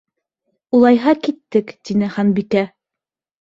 —Улайһа киттек, —тине Ханбикә.